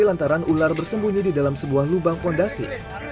lantaran ular bersembunyi di dalam sebuah lubang fondasi